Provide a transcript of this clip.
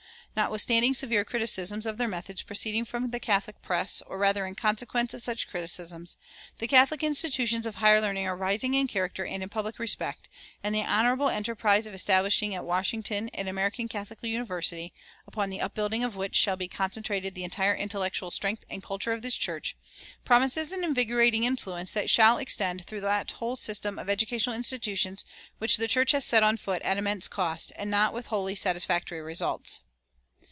Notwithstanding severe criticisms of their methods proceeding from the Catholic press, or rather in consequence of such criticisms, the Catholic institutions of higher learning are rising in character and in public respect; and the honorable enterprise of establishing at Washington an American Catholic university, on the upbuilding of which shall be concentrated the entire intellectual strength and culture of this church, promises an invigorating influence that shall extend through that whole system of educational institutions which the church has set on foot at immense cost, and not with wholly satisfactory results.